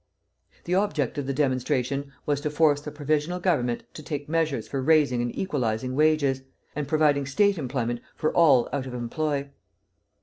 The object of the demonstration was to force the Provisional Government to take measures for raising and equalizing wages, and providing State employment for all out of employ.